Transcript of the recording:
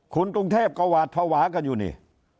กรุงเทพก็หวาดภาวะกันอยู่นี่